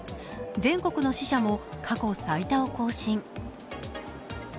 全国の死者も過去最多を更新。